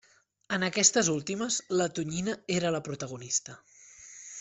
En aquestes últimes la tonyina era la protagonista.